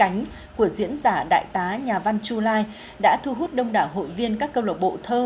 cảnh của diễn giả đại tá nhà văn chu lai đã thu hút đông đảo hội viên các cơ lộ bộ thơ